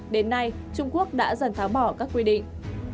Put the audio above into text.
đến nay trung quốc đã dần tháo bỏ các quy định